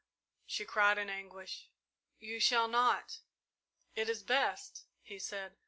she cried in anguish; "you shall not!" "It is best," he said.